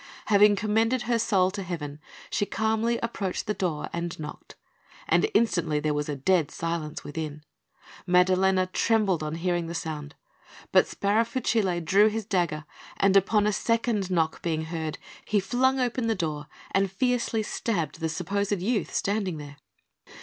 Having commended her soul to Heaven, she calmly approached the door and knocked; and instantly there was a dead silence within. Maddalena trembled on hearing the sound; but Sparafucile drew his dagger, and upon a second knock being heard, he flung open the door and fiercely stabbed the supposed youth standing there.